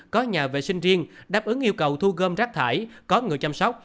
có nhà vệ sinh riêng đáp ứng yêu cầu thu gom rác thải có người chăm sóc